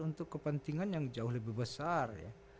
untuk kepentingan yang jauh lebih besar ya